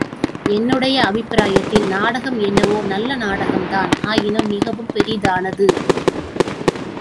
என்னுடைய அபிப்பிராயத்தில் நாடகம் என்னவோ நல்ல நாடகம்தான் ஆயினும் மிகவும் பெரிதானது.